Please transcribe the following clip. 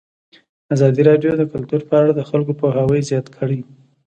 ازادي راډیو د کلتور په اړه د خلکو پوهاوی زیات کړی.